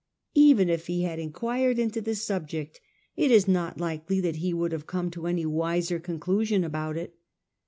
Even if he had inquired into the subject, it is not likely that he would have come to any wiser conclusion about it.